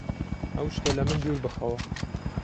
ئەو شتە لە من دوور بخەوە!